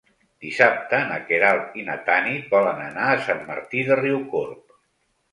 Dissabte na Queralt i na Tanit volen anar a Sant Martí de Riucorb.